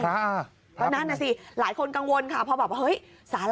เพราะนั่นน่ะสิหลายคนกังวลค่ะ